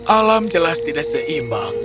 alam jelas tidak seimbang